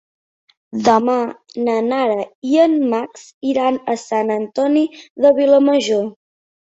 Demà na Lara i en Max iran a Sant Antoni de Vilamajor.